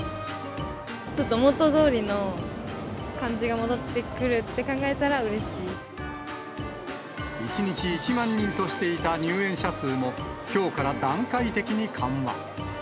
ちょっと元どおりの感じが戻１日１万人としていた入園者数も、きょうから段階的に緩和。